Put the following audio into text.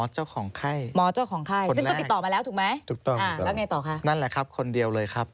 ถูกต้องค่ะนั่นแหละครับคนเดียวเลยครับ